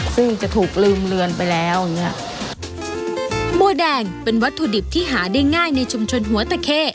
ซึ่งจะถูกลืมเลือนไปแล้วอย่างเงี้ยบัวแดงเป็นวัตถุดิบที่หาได้ง่ายในชุมชนหัวตะเค